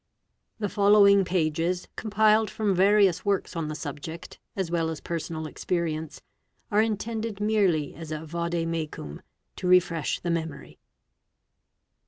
: The following pages, compiled from various works"—® on the sub ject as well as personal experience, are intended merely as a vade mecun . to refresh the memory.